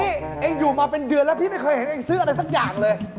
เองอยู่มาเป็นเดือนแล้วพี่ไม่เคยเห็นเองซื้ออะไรสักอย่างเลย